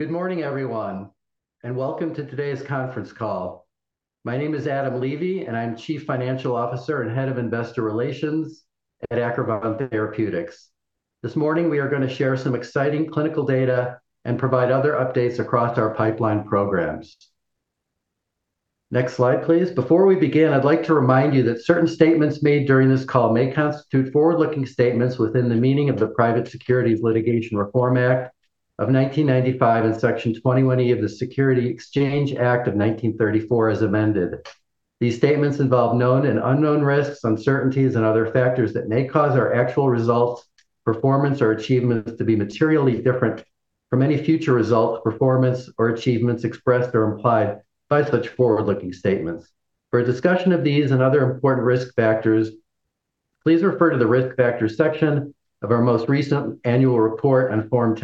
Good morning, everyone, and welcome to today's conference call. My name is Adam Levy, and I'm Chief Financial Officer and Head of Investor Relations at Acrivon Therapeutics. This morning, we are going to share some exciting clinical data and provide other updates across our pipeline programs. Next slide, please. Before we begin, I'd like to remind you that certain statements made during this call may constitute forward-looking statements within the meaning of the Private Securities Litigation Reform Act of 1995 and Section 21-E of the Securities Exchange Act of 1934 as amended. These statements involve known and unknown risks, uncertainties, and other factors that may cause our actual results, performance, or achievements to be materially different from any future results, performance, or achievements expressed or implied by such forward-looking statements. For a discussion of these and other important risk factors, please refer to the Risk Factors section of our most recent annual report on Form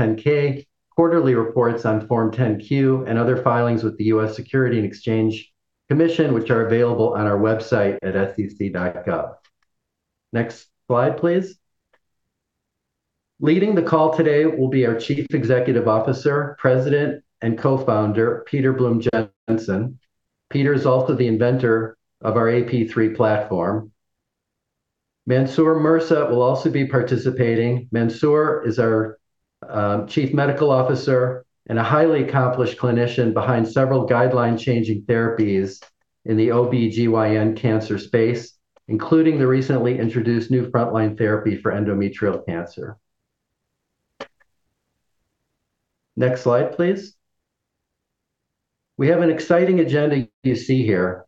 10-K, quarterly reports on Form 10-Q, and other filings with the U.S. Securities and Exchange Commission, which are available on our website at sec.gov. Next slide, please. Leading the call today will be our Chief Executive Officer, President, and Co-founder, Peter Blume-Jensen. Peter is also the inventor of our AP3 platform. Mansoor Mirza will also be participating. Mansoor is our Chief Medical Officer and a highly accomplished clinician behind several guideline-changing therapies in the OB-GYN cancer space, including the recently introduced new frontline therapy for endometrial cancer. Next slide, please. We have an exciting agenda you see here.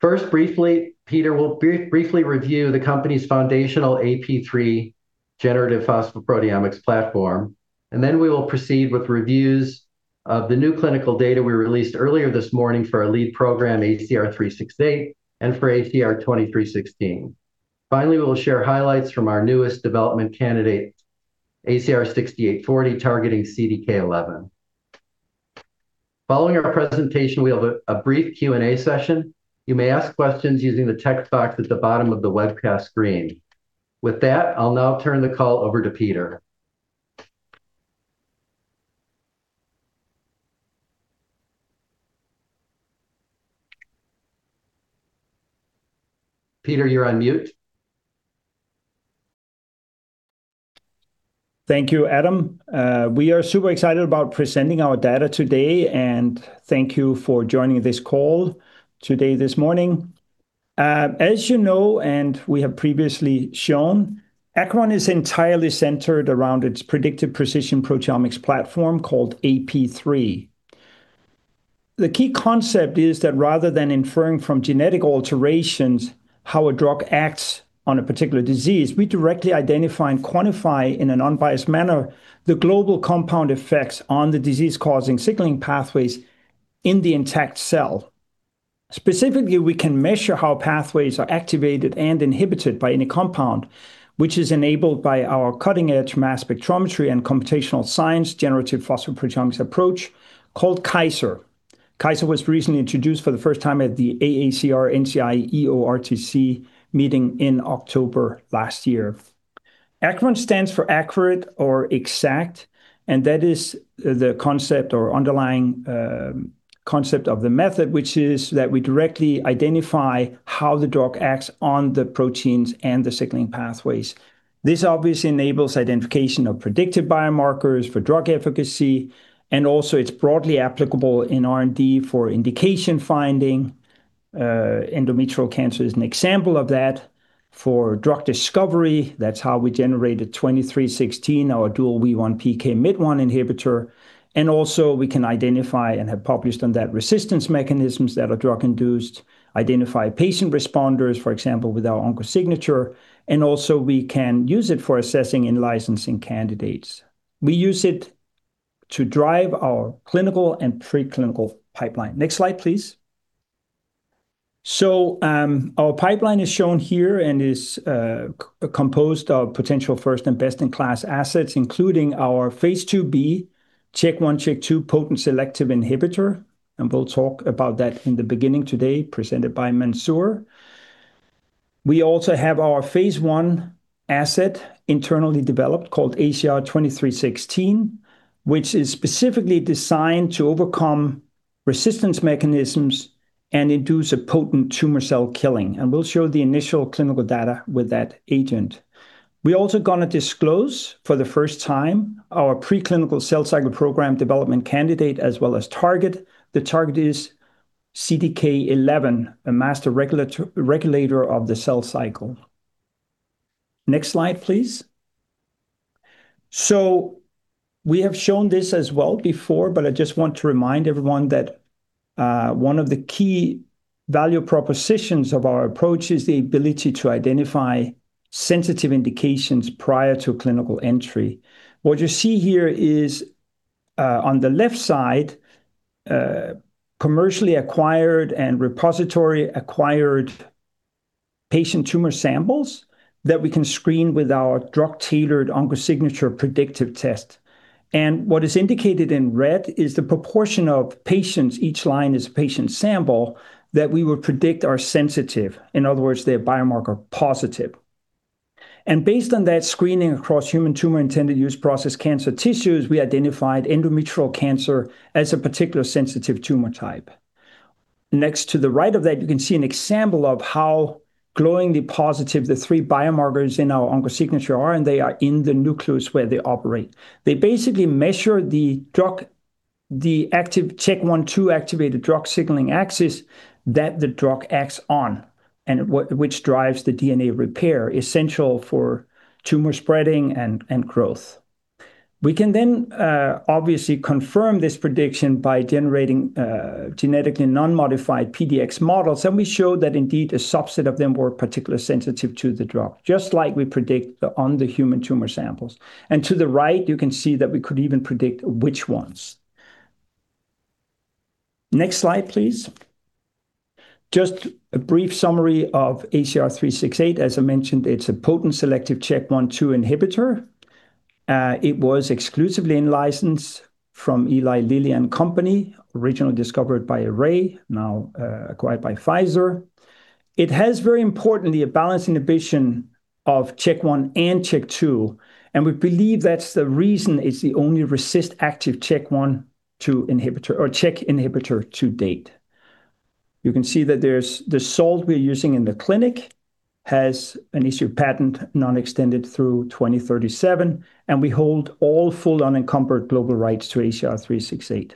First, briefly, Peter will briefly review the company's foundational AP3 Generative Phosphoproteomics platform, and then we will proceed with reviews of the new clinical data we released earlier this morning for our lead program, ACR-368, and for ACR-2316. Finally, we will share highlights from our newest development candidate, ACR-6840, targeting CDK11. Following our presentation, we have a brief Q&A session. You may ask questions using the text box at the bottom of the webcast screen. With that, I'll now turn the call over to Peter. Peter, you're on mute. Thank you, Adam. We are super excited about presenting our data today, and thank you for joining this call today this morning. As you know, and we have previously shown, Acrivon is entirely centered around its predictive precision proteomics platform called AP3. The key concept is that rather than inferring from genetic alterations how a drug acts on a particular disease, we directly identify and quantify in an unbiased manner the global compound effects on the disease-causing signaling pathways in the intact cell. Specifically, we can measure how pathways are activated and inhibited by any compound, which is enabled by our cutting-edge mass spectrometry and computational science Generative Phosphoproteomics approach called CISR. CISR was recently introduced for the first time at the AACR NCI EORTC meeting in October last year. Acrivon stands for accurate or exact, and that is the concept or underlying concept of the method, which is that we directly identify how the drug acts on the proteins and the signaling pathways. This obviously enables identification of predictive biomarkers for drug efficacy, and also it's broadly applicable in R&D for indication finding. Endometrial cancer is an example of that. For drug discovery, that's how we generated 2316, our dual WEE1/PKMYT1 inhibitor. And also, we can identify and have published on that resistance mechanisms that are drug-induced, identify patient responders, for example, with our OncoSignature, and also we can use it for assessing and licensing candidates. We use it to drive our clinical and preclinical pipeline. Next slide, please. Our pipeline is shown here and is composed of potential first and best-in-class assets, including our phase II-B CHK1/2 potent selective inhibitor, and we'll talk about that in the beginning today, presented by Mansoor. We also have our phase I asset internally developed called ACR-2316, which is specifically designed to overcome resistance mechanisms and induce a potent tumor cell killing, and we'll show the initial clinical data with that agent. We're also going to disclose for the first time our preclinical cell cycle program development candidate as well as target. The target is CDK11, a master regulator of the cell cycle. Next slide, please. We have shown this as well before, but I just want to remind everyone that one of the key value propositions of our approach is the ability to identify sensitive indications prior to clinical entry. What you see here is on the left side, commercially acquired and repository-acquired patient tumor samples that we can screen with our drug-tailored OncoSignature predictive test. What is indicated in red is the proportion of patients. Each line is a patient sample that we will predict are sensitive. In other words, they're biomarker positive. Based on that screening across human tumor intended use process cancer tissues, we identified endometrial cancer as a particularly sensitive tumor type. Next to the right of that, you can see an example of how glowingly positive the three biomarkers in our OncoSignature are, and they are in the nucleus where they operate. They basically measure the active CHK1/2 activated drug signaling axis that the drug acts on, which drives the DNA repair essential for tumor spreading and growth. We can then obviously confirm this prediction by generating genetically non-modified PDX models, and we show that indeed a subset of them were particularly sensitive to the drug, just like we predict on the human tumor samples, and to the right, you can see that we could even predict which ones. Next slide, please. Just a brief summary of ACR-368. As I mentioned, it's a potent selective CHK1/2 inhibitor. It was exclusively licensed from Eli Lilly and Company, originally discovered by Array, now acquired by Pfizer. It has very importantly a balanced inhibition of CHK1 and CHK2, and we believe that's the reason it's the only replication stress-active CHK1/2 inhibitor or CHK inhibitor to date. You can see that the salt we're using in the clinic has an issued patent extended through 2037, and we hold all full unencumbered global rights to ACR-368.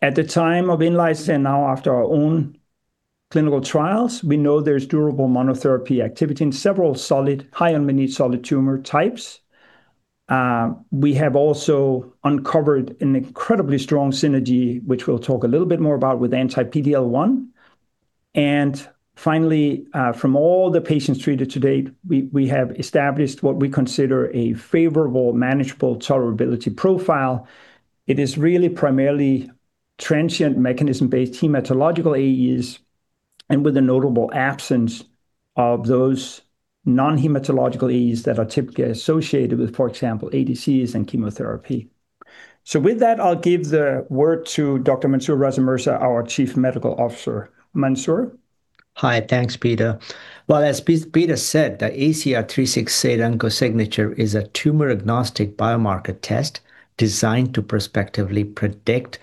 At the time of in-licensing, now after our own clinical trials, we know there's durable monotherapy activity in several high unmet solid tumor types. We have also uncovered an incredibly strong synergy, which we'll talk a little bit more about with anti-PD-L1. And finally, from all the patients treated to date, we have established what we consider a favorable manageable tolerability profile. It is really primarily transient mechanism-based hematological AEs and with a notable absence of those non-hematological AEs that are typically associated with, for example, ADCs and chemotherapy. So with that, I'll give the word to Dr. Mansoor Mirza, our Chief Medical Officer. Mansoor. Hi, thanks, Peter. Well, as Peter said, the ACR-368 OncoSignature is a tumor-agnostic biomarker test designed to prospectively predict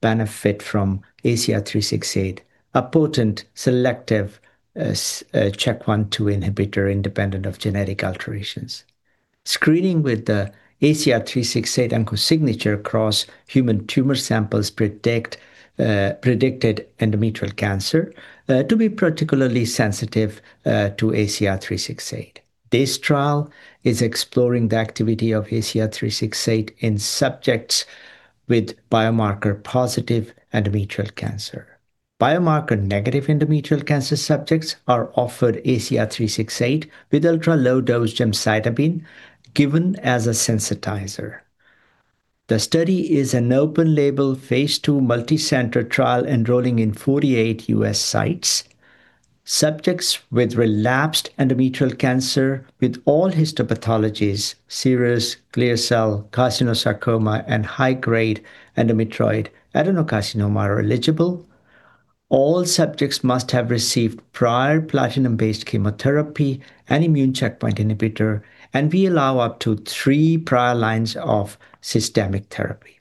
benefit from ACR-368, a potent selective CHK1/2 inhibitor independent of genetic alterations. Screening with the ACR-368 OncoSignature across human tumor samples predicted endometrial cancer to be particularly sensitive to ACR-368. This trial is exploring the activity of ACR-368 in subjects with biomarker-positive endometrial cancer. Biomarker-negative endometrial cancer subjects are offered ACR-368 with ultra-low-dose gemcitabine given as a sensitizer. The study is an open-label phase II multi-center trial enrolling in 48 U.S. sites. Subjects with relapsed endometrial cancer with all histopathologies: serous, clear cell, carcinosarcoma, and high-grade endometrioid adenocarcinoma are eligible. All subjects must have received prior platinum-based chemotherapy and immune checkpoint inhibitor, and we allow up to three prior lines of systemic therapy.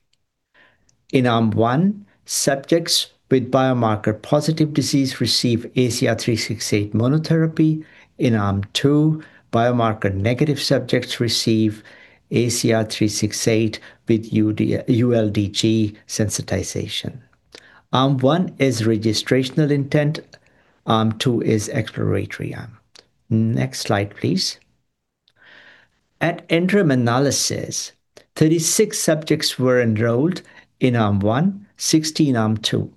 In arm one, subjects with biomarker-positive disease receive ACR-368 monotherapy. In arm two, biomarker-negative subjects receive ACR-368 with ULDG sensitization. Arm one is registrational intent. Arm two is exploratory arm. Next slide, please. At interim analysis, 36 subjects were enrolled in arm one, 16 arm two.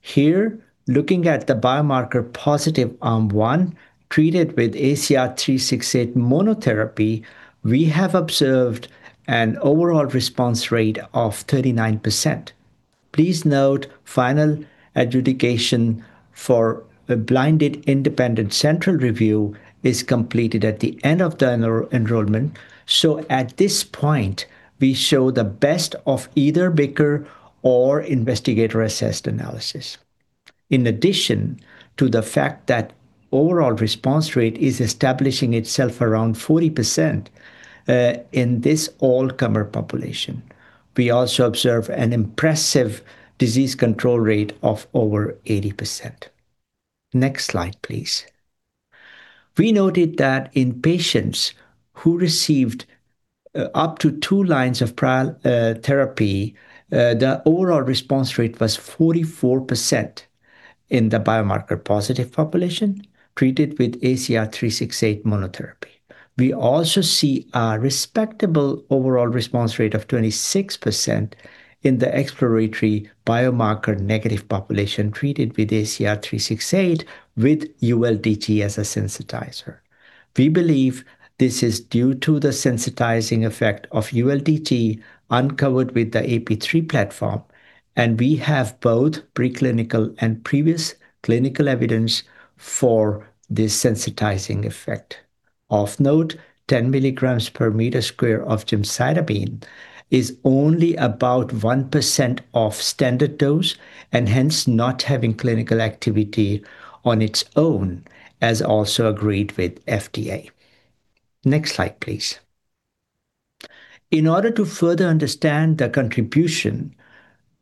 Here, looking at the biomarker-positive arm one treated with ACR-368 monotherapy, we have observed an overall response rate of 39%. Please note final adjudication for a blinded independent central review is completed at the end of the enrollment. So at this point, we show the best of either BICR or investigator-assessed analysis. In addition to the fact that overall response rate is establishing itself around 40% in this all-comer population, we also observe an impressive disease control rate of over 80%. Next slide, please. We noted that in patients who received up to two lines of therapy, the overall response rate was 44% in the biomarker-positive population treated with ACR368 monotherapy. We also see a respectable overall response rate of 26% in the exploratory biomarker-negative population treated with ACR-368 with ULDG as a sensitizer. We believe this is due to the sensitizing effect of ULDG uncovered with the AP3 platform, and we have both preclinical and previous clinical evidence for this sensitizing effect. Of note, 10 milligrams per square meter of gemcitabine is only about 1% of standard dose and hence not having clinical activity on its own, as also agreed with FDA. Next slide, please. In order to further understand the contribution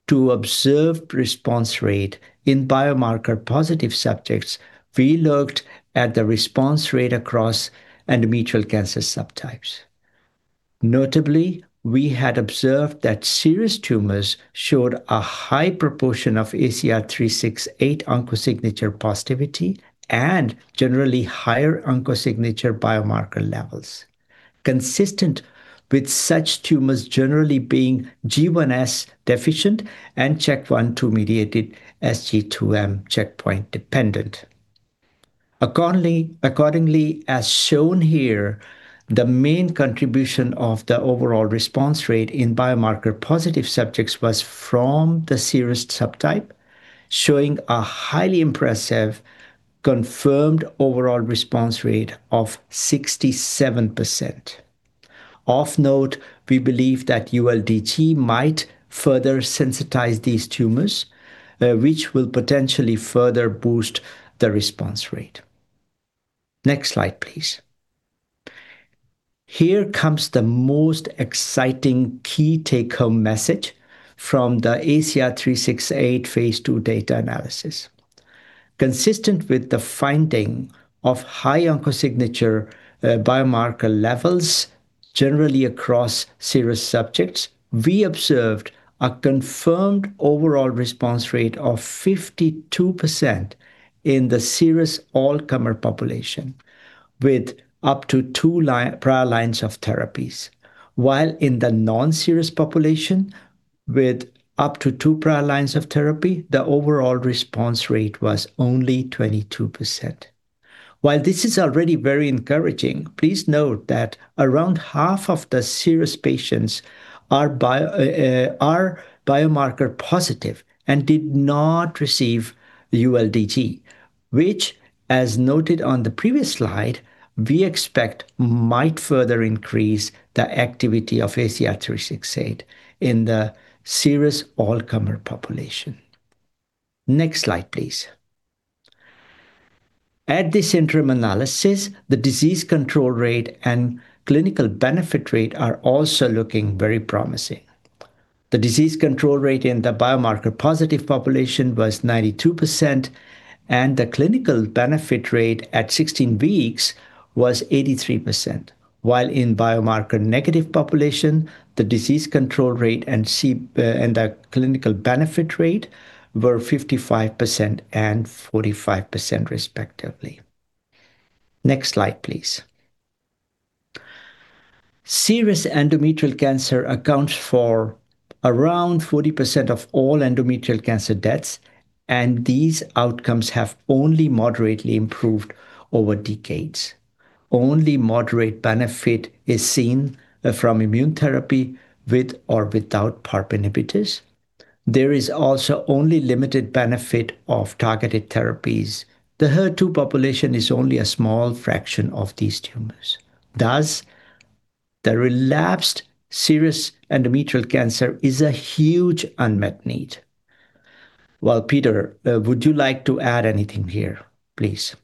to observed response rate in biomarker-positive subjects, we looked at the response rate across endometrial cancer subtypes. Notably, we had observed that serous tumors showed a high proportion of ACR-368 OncoSignature positivity and generally higher OncoSignature biomarker levels, consistent with such tumors generally being G1/S deficient and CHK1/2-mediated S/G2-M checkpoint dependent. Accordingly, as shown here, the main contribution of the overall response rate in biomarker-positive subjects was from the serous subtype, showing a highly impressive confirmed overall response rate of 67%. Of note, we believe that ULDG might further sensitize these tumors, which will potentially further boost the response rate. Next slide, please. Here comes the most exciting key take-home message from the ACR-368 phase II data analysis. Consistent with the finding of high OncoSignature biomarker levels generally across serous subjects, we observed a confirmed overall response rate of 52% in the serous all-comer population with up to two prior lines of therapies, while in the non-serous population with up to two prior lines of therapy, the overall response rate was only 22%. While this is already very encouraging, please note that around half of the serous patients are biomarker positive and did not receive ULDG, which, as noted on the previous slide, we expect might further increase the activity of ACR-368 in the serous endometrial population. Next slide, please. At this interim analysis, the disease control rate and clinical benefit rate are also looking very promising. The disease control rate in the biomarker-positive population was 92%, and the clinical benefit rate at 16 weeks was 83%, while in biomarker-negative population, the disease control rate and the clinical benefit rate were 55% and 45%, respectively. Next slide, please. Serous endometrial cancer accounts for around 40% of all endometrial cancer deaths, and these outcomes have only moderately improved over decades. Only moderate benefit is seen from immune therapy with or without PARP inhibitors. There is also only limited benefit of targeted therapies. The HER2 population is only a small fraction of these tumors. Thus, the relapsed serous endometrial cancer is a huge unmet need. Peter, would you like to add anything here, please?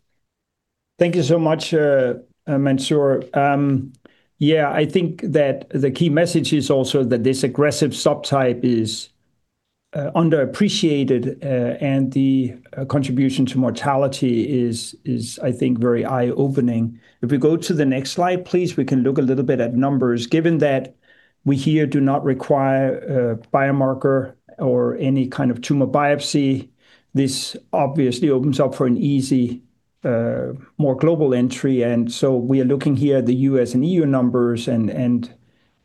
Thank you so much, Mansoor. Yeah, I think that the key message is also that this aggressive subtype is underappreciated, and the contribution to mortality is, I think, very eye-opening. If we go to the next slide, please, we can look a little bit at numbers. Given that we here do not require a biomarker or any kind of tumor biopsy, this obviously opens up for an easy, more global entry. And so we are looking here at the U.S. and EU numbers and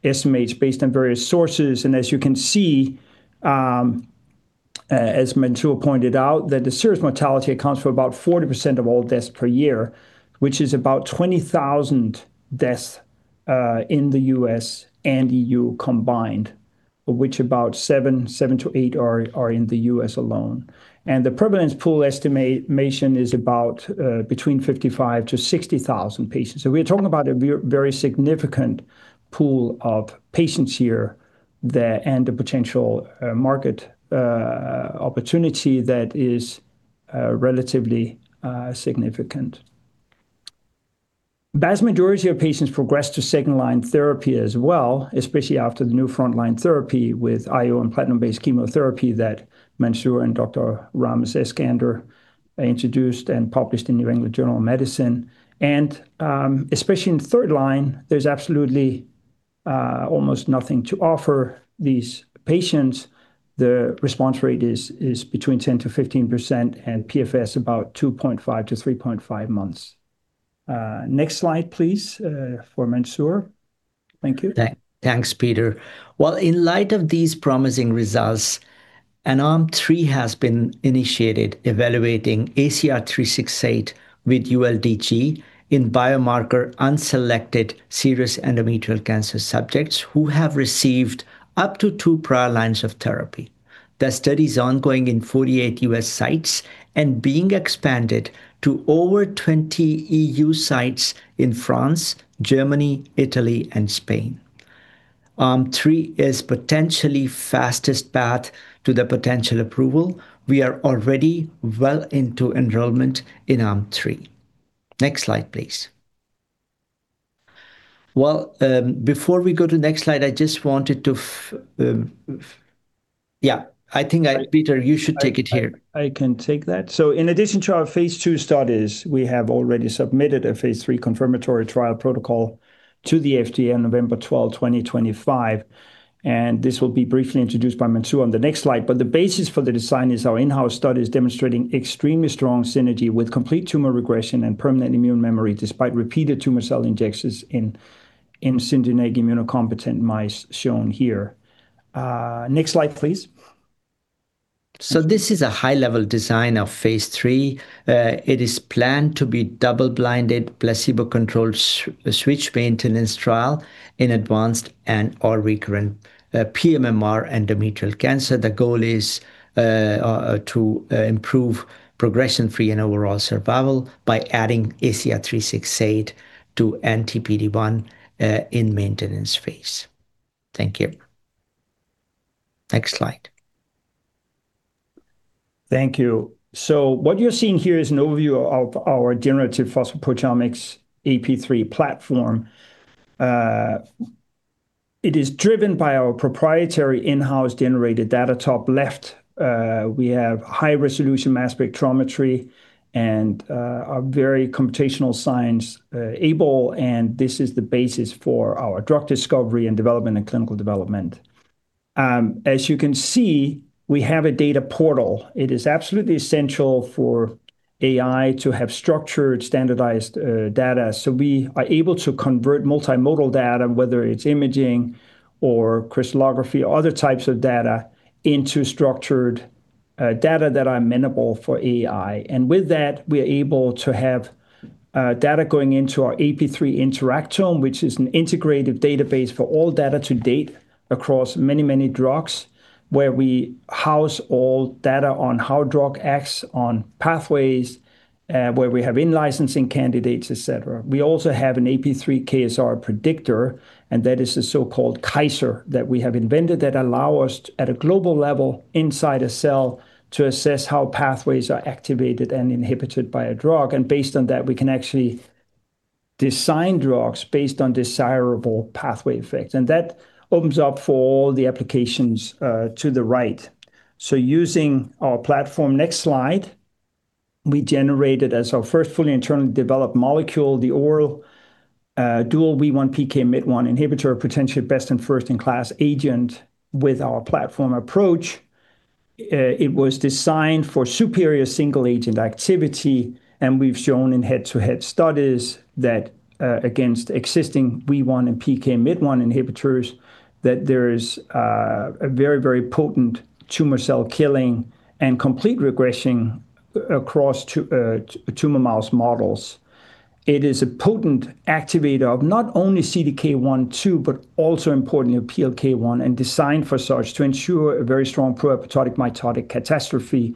estimates based on various sources. And as you can see, as Mansoor pointed out, that the serous mortality accounts for about 40% of all deaths per year, which is about 20,000 deaths in the U.S. and EU combined, of which about 7,000-8,000 are in the U.S. alone. And the prevalence pool estimation is about between 55,000-60,000 patients. So we are talking about a very significant pool of patients here and the potential market opportunity that is relatively significant. The vast majority of patients progress to second-line therapy as well, especially after the new front-line therapy with IO and platinum-based chemotherapy that Mansoor and Dr. Ramez Eskander introduced and published in New England Journal of Medicine, and especially in third line, there's absolutely almost nothing to offer these patients. The response rate is between 10%-15%, and PFS about 2.5-3.5 months. Next slide, please, for Mansoor. Thank you. Thanks, Peter. In light of these promising results, an arm three has been initiated evaluating ACR-368 with ULDG in biomarker-unselected serous endometrial cancer subjects who have received up to two prior lines of therapy. The study is ongoing in 48 U.S. sites and being expanded to over 20 EU sites in France, Germany, Italy, and Spain. Arm three is potentially the fastest path to the potential approval. We are already well into enrollment in arm three. Next slide, please. Before we go to the next slide, I just wanted to, yeah, I think, Peter, you should take it here. I can take that. So in addition to our phase II studies, we have already submitted a phase III confirmatory trial protocol to the FDA on November 12, 2025. And this will be briefly introduced by Mansoor on the next slide. But the basis for the design is our in-house studies demonstrating extremely strong synergy with complete tumor regression and permanent immune memory despite repeated tumor cell injections in syngeneic immunocompetent mice shown here. Next slide, please. So this is a high-level design of phase III. It is planned to be double-blind placebo-controlled switch maintenance trial in advanced and/or recurrent pMMR endometrial cancer. The goal is to improve progression-free and overall survival by adding ACR-368 to anti-PD-1 in maintenance phase. Thank you. Next slide. Thank you. What you're seeing here is an overview of our Generative Phosphoproteomics AP3 platform. It is driven by our proprietary in-house generated data top-left. We have high-resolution mass spectrometry and are very computationally scalable, and this is the basis for our drug discovery and development and clinical development. As you can see, we have a data portal. It is absolutely essential for AI to have structured standardized data. We are able to convert multimodal data, whether it's imaging or crystallography or other types of data, into structured data that are amenable for AI. With that, we are able to have data going into our AP3 interactome, which is an integrative database for all data to date across many, many drugs, where we house all data on how drug acts on pathways, where we have in-licensing candidates, et cetera. We also have an AP3 CISR predictor, and that is a so-called CISR that we have invented that allows us, at a global level inside a cell, to assess how pathways are activated and inhibited by a drug. And based on that, we can actually design drugs based on desirable pathway effects. And that opens up for all the applications to the right. So using our platform, next slide, we generated as our first fully internally developed molecule, the oral dual WEE1/PKMYT1 inhibitor, potentially best and first-in-class agent with our platform approach. It was designed for superior single-agent activity, and we've shown in head-to-head studies that against existing WEE1 and PKMYT1 inhibitors, that there is a very, very potent tumor cell killing and complete regression across tumor mouse models. It is a potent activator of not only CDK12, but also importantly, PLK1, and designed for such to ensure a very strong proapoptotic mitotic catastrophe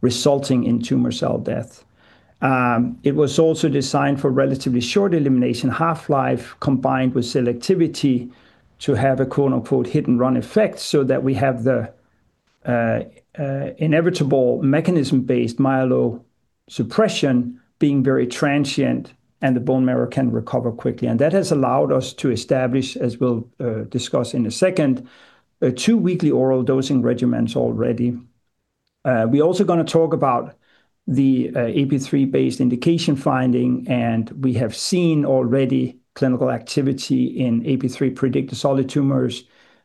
resulting in tumor cell death. It was also designed for relatively short elimination half-life combined with selectivity to have a quote-unquote "hit-and-run" effect so that we have the inevitable mechanism-based myelosuppression being very transient and the bone marrow can recover quickly, and that has allowed us to establish, as we'll discuss in a second, two weekly oral dosing regimens already. We're also going to talk about the AP3-based indication finding, and we have seen already clinical activity in AP3 predictor solid tumors,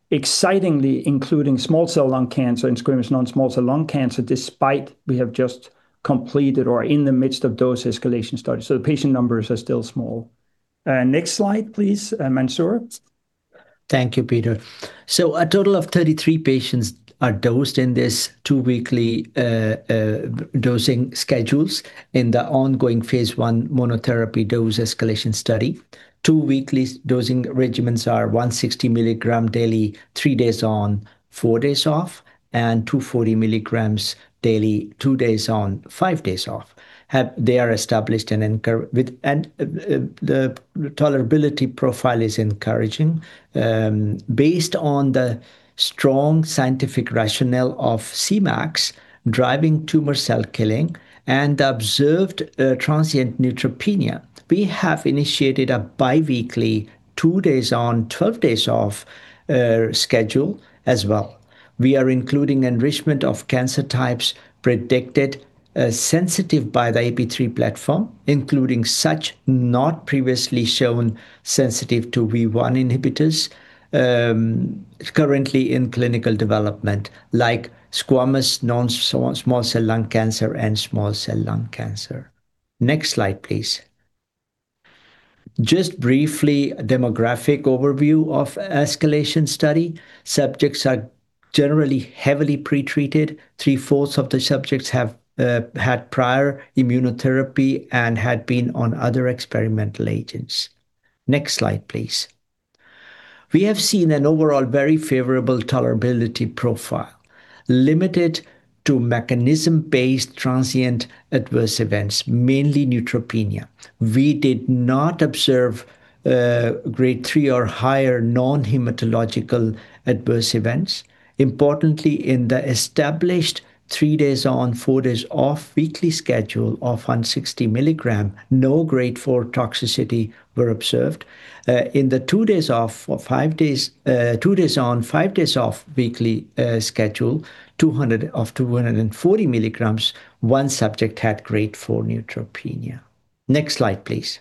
excitingly including small cell lung cancer and squamous non-small cell lung cancer, despite we have just completed or are in the midst of dose escalation studies, so the patient numbers are still small. Next slide, please, Mansoor. Thank you, Peter. So a total of 33 patients are dosed in these two-weekly dosing schedules in the ongoing phase I monotherapy dose escalation study. Two-weekly dosing regimens are 160 milligram daily, three days on, four days off, and 240 milligrams daily, two days on, five days off. They are established and the tolerability profile is encouraging. Based on the strong scientific rationale of Cmax driving tumor cell killing and the observed transient neutropenia, we have initiated a biweekly, two days on, twelve days off schedule as well. We are including enrichment of cancer types predicted sensitive by the AP3 platform, including such not previously shown sensitive to WEE1 inhibitors currently in clinical development, like squamous non-small cell lung cancer and small cell lung cancer. Next slide, please. Just briefly, a demographic overview of escalation study. Subjects are generally heavily pretreated. Three-fourths of the subjects have had prior immunotherapy and had been on other experimental agents. Next slide, please. We have seen an overall very favorable tolerability profile, limited to mechanism-based transient adverse events, mainly neutropenia. We did not observe grade 3 or higher non-hematological adverse events. Importantly, in the established three days on, four days off weekly schedule of 160 milligrams, no grade 4 toxicity were observed. In the two days on, two days off, five days off weekly schedule, of 240 milligrams, one subject had grade 4 neutropenia. Next slide, please.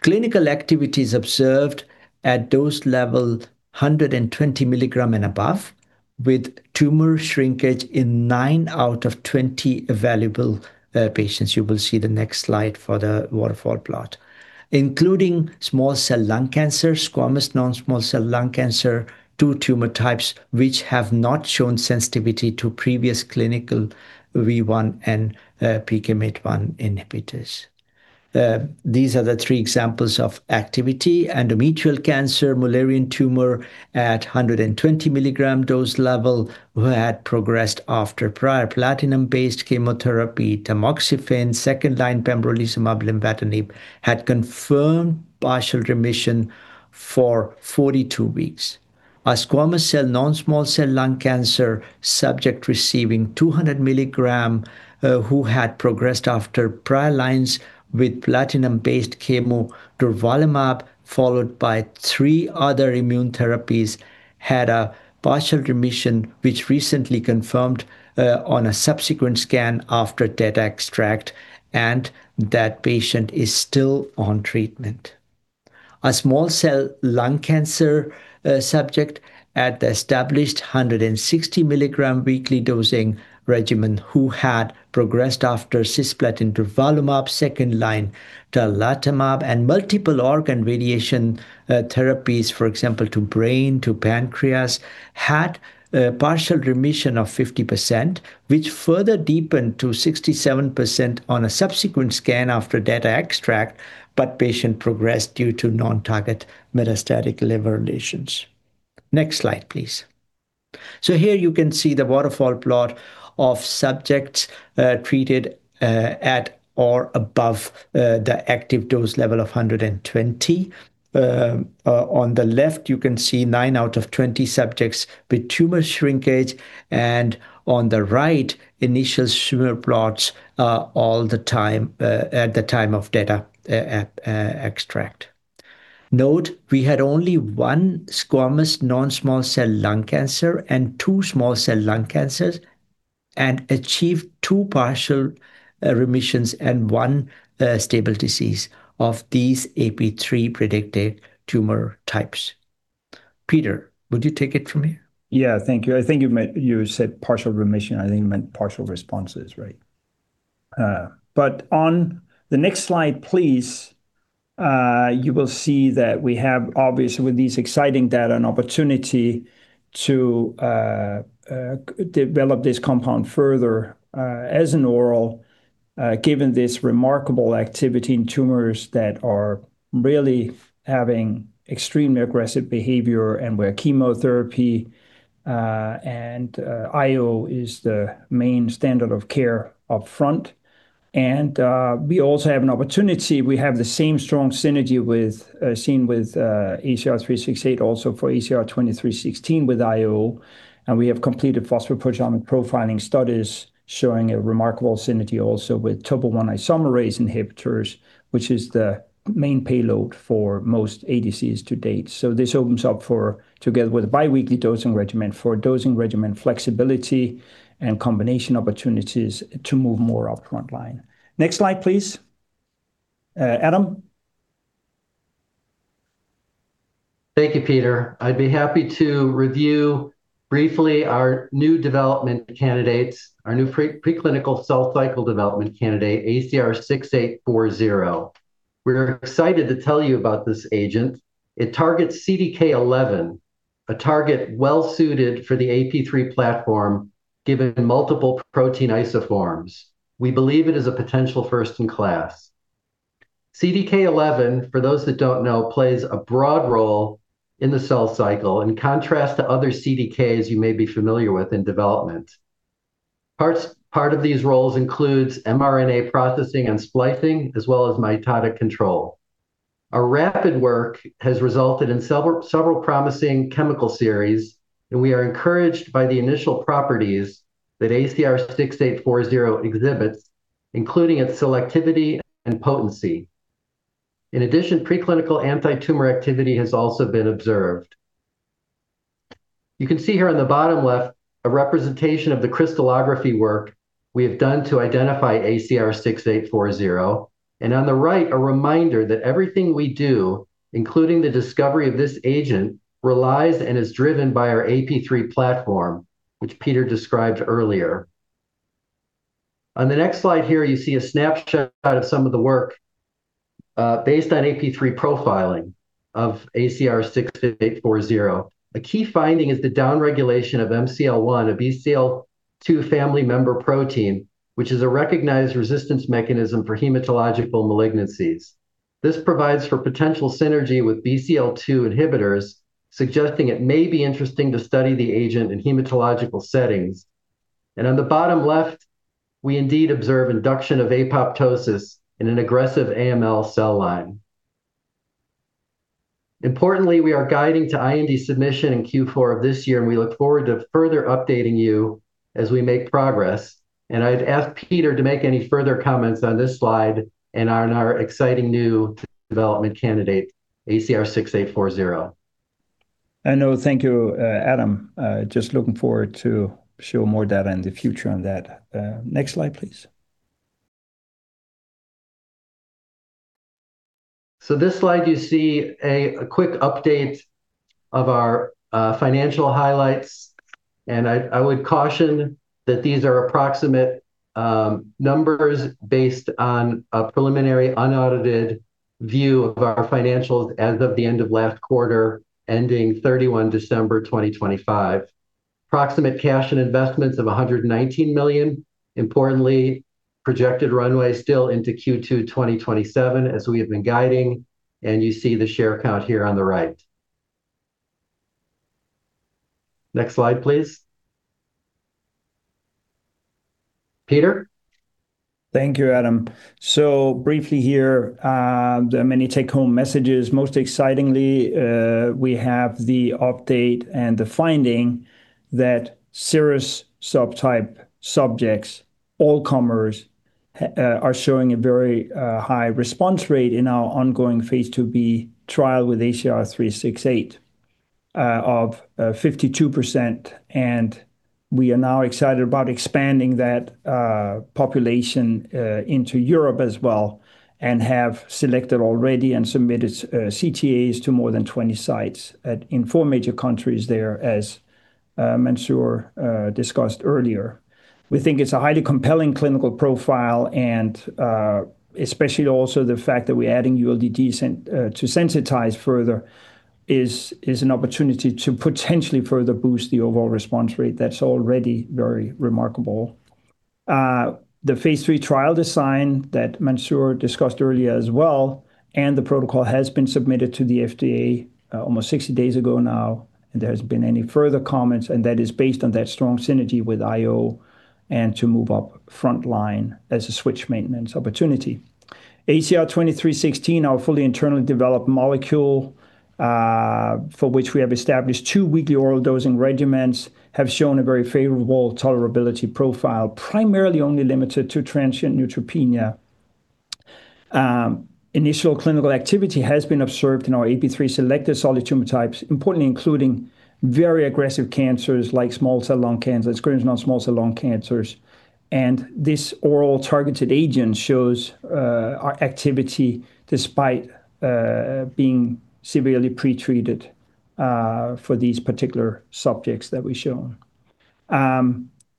Clinical activity observed at dose level 120 milligrams and above, with tumor shrinkage in 9 out of 20 available patients. You will see the next slide for the waterfall plot, including small cell lung cancer, squamous non-small cell lung cancer, two tumor types, which have not shown sensitivity to previous clinical WEE1 and PKMYT1 inhibitors. These are the three examples of activity: endometrial cancer, Müllerian tumor at 120 milligram dose level, who had progressed after prior platinum-based chemotherapy, tamoxifen, second-line pembrolizumab, lenvatinib, had confirmed partial remission for 42 weeks. A squamous non-small cell lung cancer subject receiving 200 milligram, who had progressed after prior lines with platinum-based chemo, durvalumab, followed by three other immune therapies, had a partial remission, which recently confirmed on a subsequent scan after TET extract, and that patient is still on treatment. A small cell lung cancer subject at the established 160 milligram weekly dosing regimen, who had progressed after cisplatin, durvalumab, second-line tarlatamab, and multiple organ radiation therapies, for example, to brain, to pancreas, had partial remission of 50%, which further deepened to 67% on a subsequent scan after TET extract, but patient progressed due to non-target metastatic liver lesions. Next slide, please. Here you can see the waterfall plot of subjects treated at or above the active dose level of 120. On the left, you can see nine out of 20 subjects with tumor shrinkage, and on the right, initial tumor burden at the time of best response. Note, we had only one squamous non-small cell lung cancer and two small cell lung cancers and achieved two partial remissions and one stable disease of these AP3 predicted tumor types. Peter, would you take it from here? Yeah, thank you. I think you said partial remission. I think you meant partial responses, right, but on the next slide, please, you will see that we have, obviously, with these exciting data an opportunity to develop this compound further as an oral, given this remarkable activity in tumors that are really having extremely aggressive behavior and where chemotherapy and IO is the main standard of care upfront, and we also have an opportunity. We have the same strong synergy seen with ACR-368, also for ACR-2316 with IO, and we have completed phosphoproteomic profiling studies showing a remarkable synergy also with topoisomerase inhibitors, which is the main payload for most ADCs to date. This opens up for, together with a biweekly dosing regimen, for dosing regimen flexibility and combination opportunities to move more upfront line. Next slide, please. Adam. Thank you, Peter. I'd be happy to review briefly our new development candidates, our new preclinical cell cycle development candidate, ACR-6840. We're excited to tell you about this agent. It targets CDK11, a target well-suited for the AP3 platform, given multiple protein isoforms. We believe it is a potential first-in-class. CDK11, for those that don't know, plays a broad role in the cell cycle in contrast to other CDKs you may be familiar with in development. Part of these roles includes mRNA processing and splicing, as well as mitotic control. Our rapid work has resulted in several promising chemical series, and we are encouraged by the initial properties that ACR-6840 exhibits, including its selectivity and potency. In addition, preclinical anti-tumor activity has also been observed. You can see here on the bottom left a representation of the crystallography work we have done to identify ACR-6840, and on the right, a reminder that everything we do, including the discovery of this agent, relies and is driven by our AP3 platform, which Peter described earlier. On the next slide here, you see a snapshot of some of the work based on AP3 profiling of ACR-6840. A key finding is the downregulation of MCL1, a BCL2 family member protein, which is a recognized resistance mechanism for hematological malignancies. This provides for potential synergy with BCL2 inhibitors, suggesting it may be interesting to study the agent in hematological settings, and on the bottom left, we indeed observe induction of apoptosis in an aggressive AML cell line. Importantly, we are guiding to IND submission in Q4 of this year, and we look forward to further updating you as we make progress, and I'd ask Peter to make any further comments on this slide and on our exciting new development candidate, ACR-6840. I know. Thank you, Adam. Just looking forward to show more data in the future on that. Next slide, please. So this slide, you see a quick update of our financial highlights. And I would caution that these are approximate numbers based on a preliminary unaudited view of our financials as of the end of last quarter, ending 31 December 2025. Approximate cash and investments of $119 million. Importantly, projected runway still into Q2 2027, as we have been guiding, and you see the share count here on the right. Next slide, please. Peter. Thank you, Adam. So briefly here, the many take-home messages. Most excitingly, we have the update and the finding that serous subtype subjects, all comers, are showing a very high response rate in our ongoing phase II-B trial with ACR-368 of 52%. We are now excited about expanding that population into Europe as well and have selected already and submitted CTAs to more than 20 sites in four major countries there, as Mansoor discussed earlier. We think it's a highly compelling clinical profile, and especially also the fact that we're adding ULDG to sensitize further is an opportunity to potentially further boost the overall response rate. That's already very remarkable. The phase III trial design that Mansoor discussed earlier as well, and the protocol has been submitted to the FDA almost 60 days ago now, and there hasn't been any further comments, and that is based on that strong synergy with IO and to move up front line as a switch maintenance opportunity. ACR-2316, our fully internally developed molecule for which we have established two weekly oral dosing regimens, has shown a very favorable tolerability profile, primarily only limited to transient neutropenia. Initial clinical activity has been observed in our AP3 selected solid tumor types, importantly including very aggressive cancers like small cell lung cancer, squamous non-small cell lung cancers. And this oral targeted agent shows our activity despite being severely pretreated for these particular subjects that we show.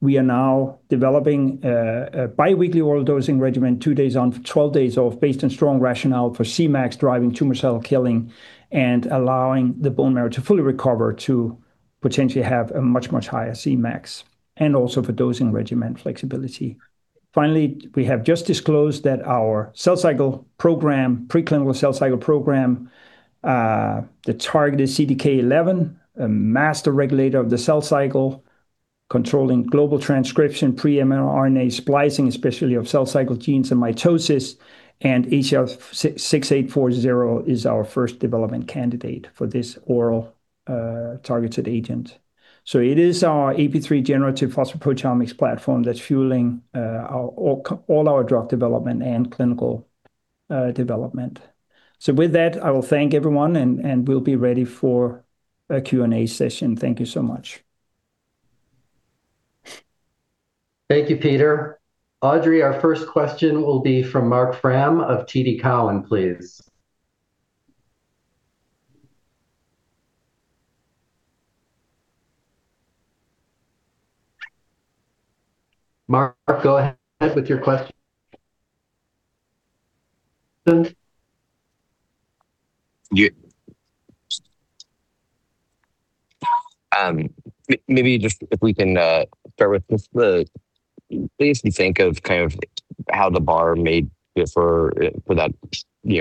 We are now developing a biweekly oral dosing regimen, two days on, 12 days off, based on strong rationale for Cmax driving tumor cell killing and allowing the bone marrow to fully recover to potentially have a much, much higher Cmax and also for dosing regimen flexibility. Finally, we have just disclosed that our cell cycle program, preclinical cell cycle program, the targeted CDK11, a master regulator of the cell cycle, controlling global transcription, pre-mRNA splicing, especially of cell cycle genes and mitosis, and ACR-6840 is our first development candidate for this oral targeted agent. So it is our AP3 Generative Phosphoproteomic platform that's fueling all our drug development and clinical development. So with that, I will thank everyone and we'll be ready for a Q&A session. Thank you so much. Thank you, Peter. Audrey, our first question will be from Marc Frahm of TD Cowen, please. Marc, go ahead with your question. Maybe just if we can start with this, please think of kind of how the bar may differ for that,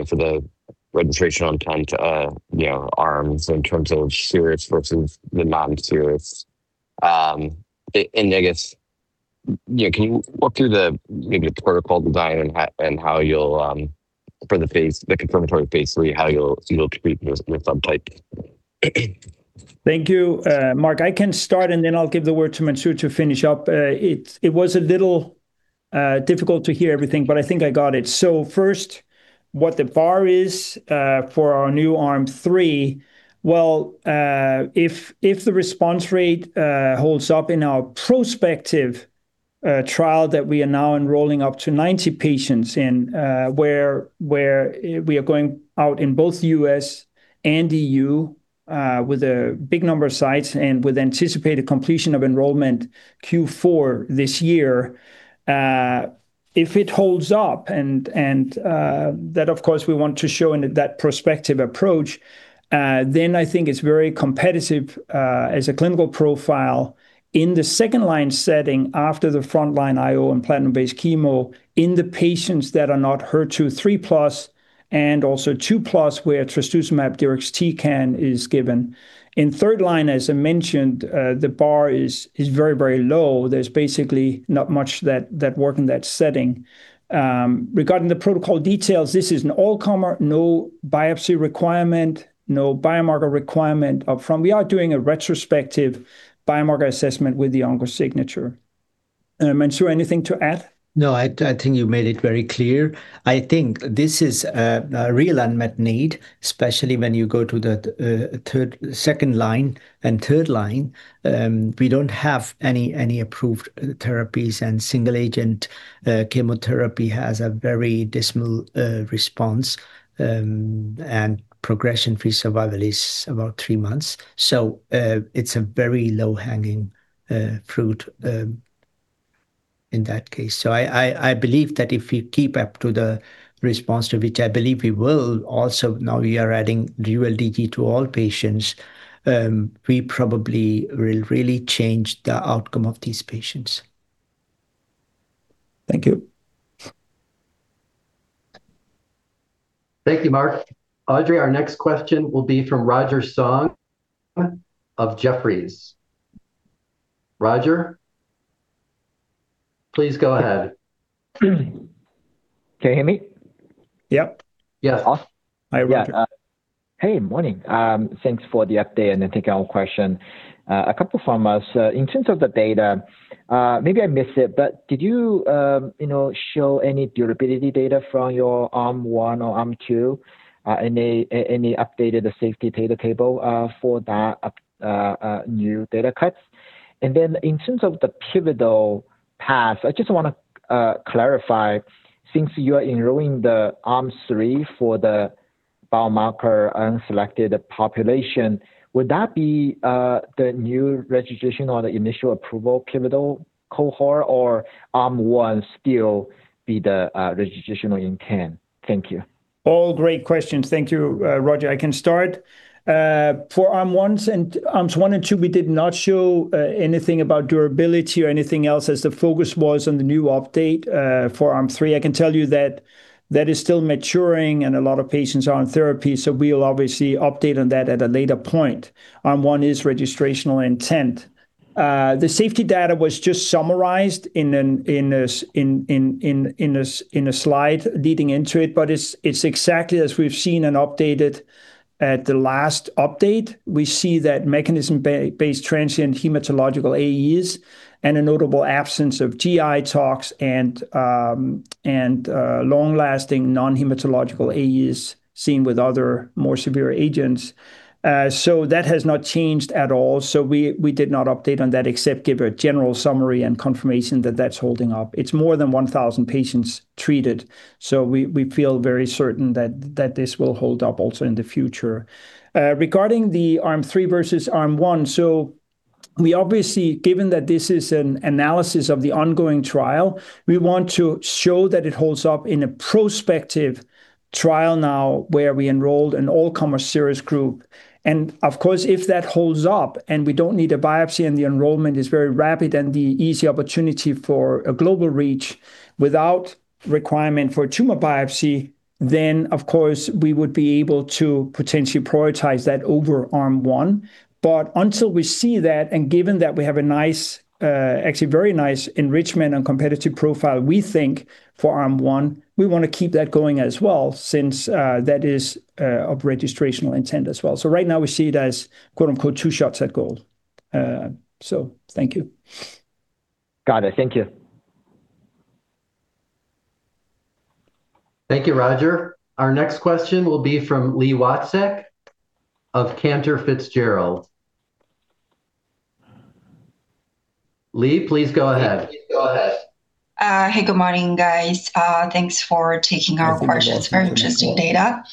for the registrational endpoint arms in terms of serous versus the non-serous. And I guess, can you walk through the protocol design and how you'll, for the phase, the confirmatory phase III, how you'll treat your subtype? Thank you, Mark. I can start and then I'll give the word to Mansoor to finish up. It was a little difficult to hear everything, but I think I got it. So first, what the bar is for our new Arm 3, well, if the response rate holds up in our prospective trial that we are now enrolling up to 90 patients in, where we are going out in both the US and EU with a big number of sites and with anticipated completion of enrollment Q4 this year, if it holds up, and that, of course, we want to show in that prospective approach, then I think it's very competitive as a clinical profile in the second-line setting after the front line IO and platinum-based chemo in the patients that are not HER2/3 plus and also 2 plus where trastuzumab deruxtecan is given. In third line, as I mentioned, the bar is very, very low. There's basically not much that work in that setting. Regarding the protocol details, this is an all comer, no biopsy requirement, no biomarker requirement upfront. We are doing a retrospective biomarker assessment with the OncoSignature. Mansoor, anything to add? No, I think you made it very clear. I think this is a real unmet need, especially when you go to the second line and third line. We don't have any approved therapies, and single-agent chemotherapy has a very dismal response, and progression-free survival is about three months. So it's a very low-hanging fruit in that case. So I believe that if we keep up to the response to which I believe we will, also now we are adding ULDG to all patients, we probably will really change the outcome of these patients. Thank you. Thank you, Mark. Audrey, our next question will be from Roger Song of Jefferies. Roger, please go ahead. Can you hear me? Yep. Yes. Hi, Roger. Good morning. Thanks for the update and I think our question. A couple of follow-ups. In terms of the data, maybe I missed it, but did you show any durability data from your arm one or arm two and any updated safety data to date for that new data cut? And then in terms of the pivotal path, I just want to clarify, since you are enrolling the arm three for the biomarker unselected population, would that be the new registration or the initial approval pivotal cohort, or arm one still be the registration endpoint? Thank you. All great questions. Thank you, Roger. I can start. For arm ones and arms one and two, we did not show anything about durability or anything else as the focus was on the new update for arm three. I can tell you that that is still maturing and a lot of patients are on therapy, so we will obviously update on that at a later point. Arm one is registrational intent. The safety data was just summarized in a slide leading into it, but it's exactly as we've seen and updated at the last update. We see that mechanism-based transient hematological AEs and a notable absence of GI tox and long-lasting non-hematological AEs seen with other more severe agents. So that has not changed at all. So we did not update on that except give a general summary and confirmation that that's holding up. It's more than 1,000 patients treated, so we feel very certain that this will hold up also in the future. Regarding the arm three versus arm one, so we obviously, given that this is an analysis of the ongoing trial, we want to show that it holds up in a prospective trial now where we enrolled an all-comer serous group, and of course, if that holds up and we don't need a biopsy and the enrollment is very rapid and the easy opportunity for a global reach without requirement for tumor biopsy, then of course, we would be able to potentially prioritize that over arm one, but until we see that, and given that we have a nice, actually very nice enrichment and competitive profile, we think for arm one, we want to keep that going as well since that is of registrational intent as well. So right now we see it as "two shots at goal." So thank you. Got it. Thank you. Thank you, Roger. Our next question will be from Lee Watzek of Cantor Fitzgerald. Lee, please go ahead. Hey, good morning, guys. Thanks for taking our questions. Very interesting data.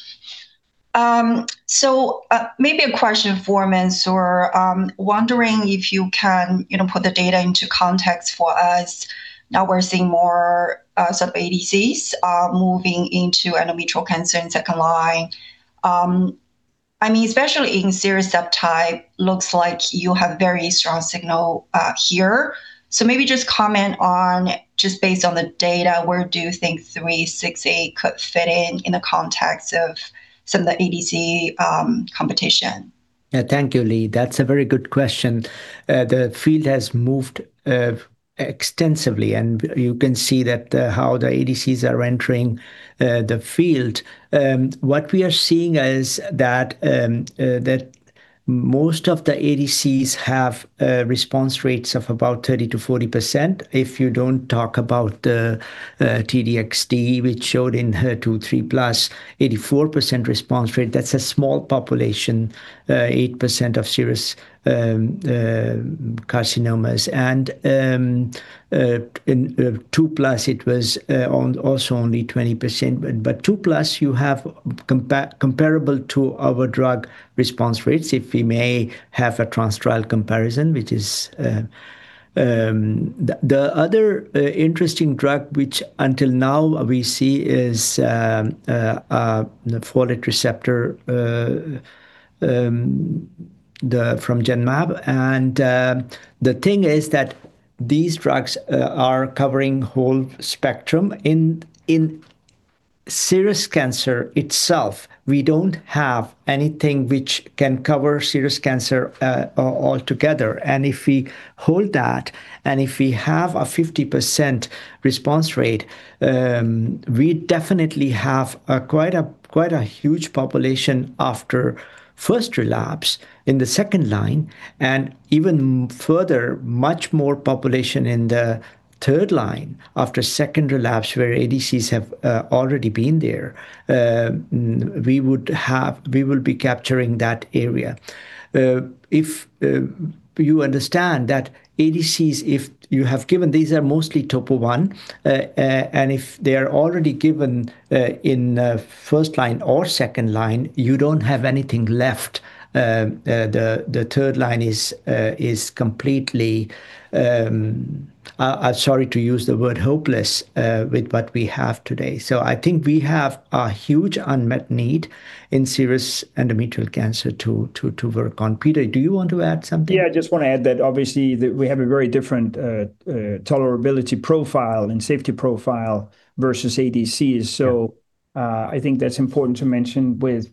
So maybe a question for Mansoor, wondering if you can put the data into context for us. Now we're seeing more such ADCs moving into endometrial cancer in second line. I mean, especially in serous subtype, looks like you have very strong signal here. So maybe just comment on just based on the data, where do you think 3, 6, 8 could fit in in the context of some of the ADC competition? Yeah, thank you, Lee. That's a very good question. The field has moved extensively and you can see how the ADCs are entering the field. What we are seeing is that most of the ADCs have response rates of about 30%-40%. If you don't talk about T-DXd, which showed in HER2/3 plus 84% response rate, that's a small population, 8% of serous carcinomas. And in 2 plus, it was also only 20%. But 2 plus, you have comparable to our drug response rates, if we may have a trans-trial comparison, which is the other interesting drug, which until now we see is the folate receptor from Genmab. And the thing is that these drugs are covering whole spectrum. In serous cancer itself, we don't have anything which can cover serous cancer altogether. And if we hold that and if we have a 50% response rate, we definitely have quite a huge population after first relapse in the second line. And even further, much more population in the third line after second relapse where ADCs have already been there. We will be capturing that area. If you understand that ADCs, if you have given, these are mostly Topo I, and if they are already given in first line or second line, you don't have anything left. The third line is completely, I'm sorry to use the word hopeless with what we have today. So I think we have a huge unmet need in serous endometrial cancer to work on. Peter, do you want to add something? Yeah, I just want to add that obviously we have a very different tolerability profile and safety profile versus ADCs. So I think that's important to mention with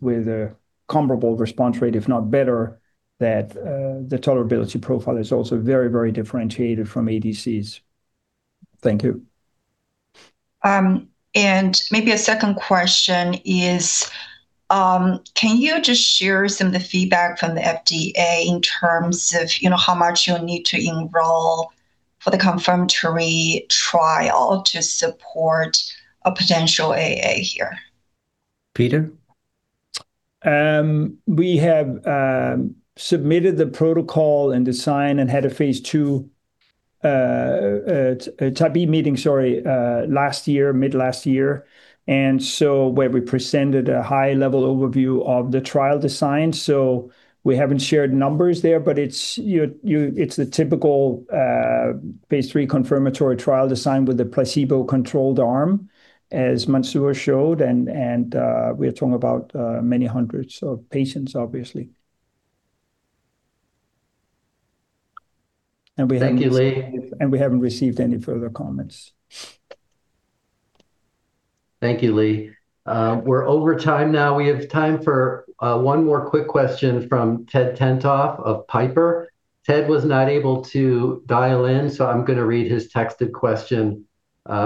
a comparable response rate, if not better, that the tolerability profile is also very, very differentiated from ADCs. Thank you. Maybe a second question is, can you just share some of the feedback from the FDA in terms of how much you'll need to enroll for the confirmatory trial to support a potential AA here? Peter? We have submitted the protocol and design and had a phase II type B meeting, sorry, last year, mid last year, and so where we presented a high-level overview of the trial design. So we haven't shared numbers there, but it's the typical phase III confirmatory trial design with the placebo-controlled arm, as Mansoor showed, and we are talking about many hundreds of patients, obviously. And we haven't. Thank you, Lee. We haven't received any further comments. Thank you, Lee. We're over time now. We have time for one more quick question from Ted Tenthoff of Piper. Ted was not able to dial in, so I'm going to read his texted question,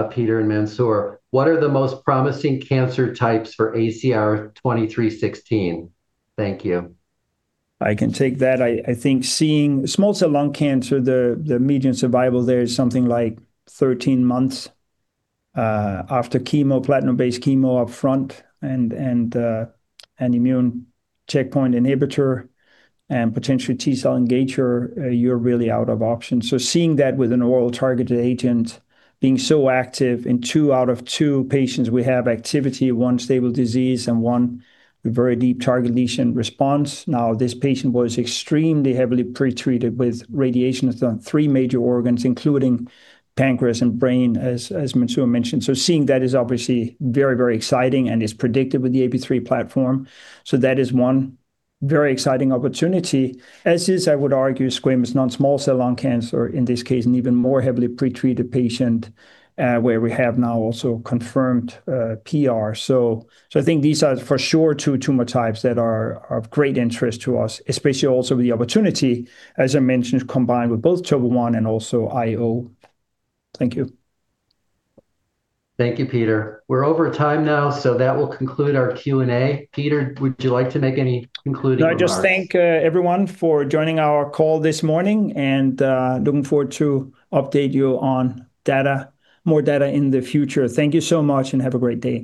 Peter and Mansoor. What are the most promising cancer types for ACR-2316? Thank you. I can take that. I think seeing small cell lung cancer, the median survival there is something like 13 months after chemo, platinum-based chemo upfront and immune checkpoint inhibitor and potentially T-cell engager, you're really out of options. So seeing that with an oral targeted agent being so active in two out of two patients, we have activity, one stable disease and one very deep target lesion response. Now this patient was extremely heavily pretreated with radiation on three major organs, including pancreas and brain, as Mansoor mentioned. So seeing that is obviously very, very exciting and is predictive with the AP3 platform. So that is one very exciting opportunity. As is, I would argue, squamous non-small cell lung cancer in this case, and even more heavily pretreated patient where we have now also confirmed PR. So, I think these are for sure two tumor types that are of great interest to us, especially also with the opportunity, as I mentioned, combined with both Topo I and also IO. Thank you. Thank you, Peter. We're over time now, so that will conclude our Q&A. Peter, would you like to make any concluding remarks? No, I just thank everyone for joining our call this morning, and looking forward to update you on data, more data in the future. Thank you so much and have a great day.